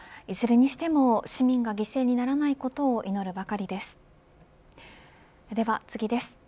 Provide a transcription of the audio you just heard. いずれにしても、市民が犠牲にならないことを祈るばかりです。